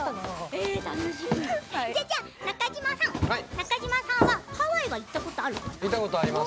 中島さんはハワイは行ったことあるかな？